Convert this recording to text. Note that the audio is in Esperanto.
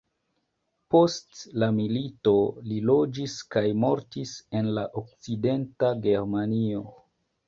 Post la milito li loĝis kaj mortis en la okcidenta Germanio.